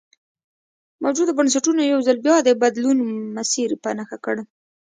موجوده بنسټونو یو ځل بیا د بدلون مسیر په نښه کړ.